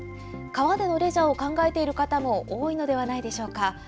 川でのレジャーを考えている方も多いのではないでしょうか。